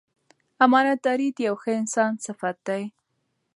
امانتداري د یو ښه انسان صفت دی.